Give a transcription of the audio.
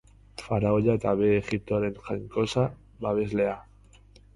Faraoia eta Behe Egiptoren jainkosa babeslea.